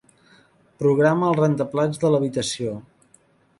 Programa el rentaplats de l'habitació.